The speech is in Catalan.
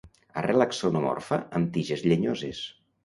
Arrel axonomorfa amb tiges llenyoses.